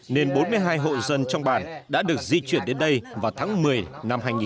nên bốn mươi hai hộ dân trong bản đã được di chuyển đến đây vào tháng một mươi năm hai nghìn sáu